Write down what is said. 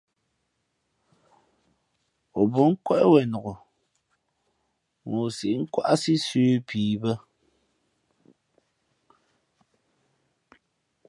O bα̌ nkwéʼ wenok, mα o sǐʼ nkwáʼsí sə̌ pii bᾱ.